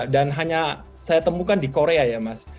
dan hanya saya temukan di korea ya mas